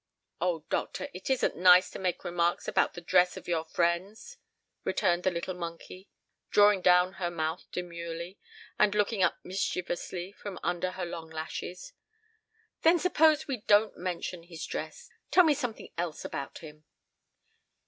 "Oh, doctor, it isn't nice to make remarks about the dress of your friends," returned the little monkey, drawing down her mouth demurely, and looking up mischievously from under her long lashes. "Then suppose we don't mention his dress. Tell me something else about him."